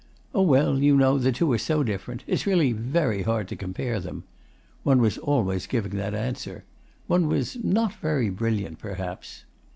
'Oh, well, you know, the two are so different. It's really very hard to compare them.' One was always giving that answer. One was not very brilliant perhaps.